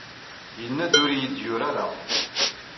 Yenna-d ur yi-d-yuri ara.